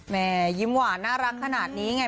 แม่ยิ้มหวานน่ารักขนาดนี้ไง